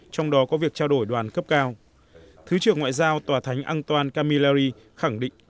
trong đó có việc trao đổi đoàn cấp cao thứ trưởng ngoại giao tòa thánh antoine camilleri khẳng định